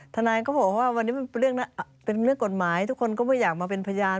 ทนายก็บอกว่าวันนี้เป็นเรื่องกฎหมายทุกคนก็ไม่อยากมาเป็นพยาน